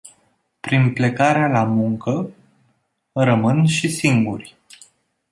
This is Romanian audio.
Prin plecarea la muncă, rămân și singuri.